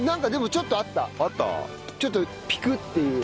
ちょっとピクッ！っていう。